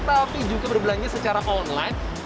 tapi juga berbelanja secara online